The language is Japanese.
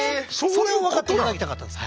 それを分かって頂きたかったんです！